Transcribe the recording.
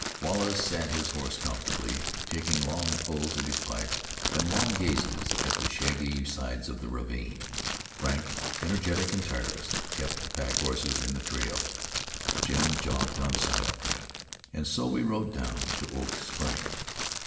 Wallace sat his horse comfortably, taking long pulls at his pipe and long gazes at the shaggy sides of the ravine. Frank, energetic and tireless, kept the pack horses in the trail. Jim jogged on silently. And so we rode down to Oak Spring.